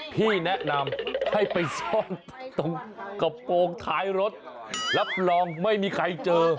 พี่แนะนำให้ไปซ่อนตรงกระโปรงท้ายรถรับรองไม่มีใครเจอ